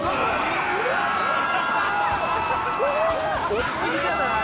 「落ちすぎじゃない？」